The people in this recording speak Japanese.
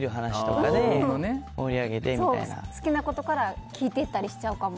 自分の好きなことから聞いていったりしちゃうかも。